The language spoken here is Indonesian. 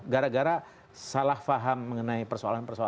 gara gara salah faham mengenai persoalan persoalan